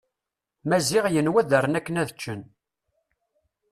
Maziɣ yenwa ad rren akken ad ččen.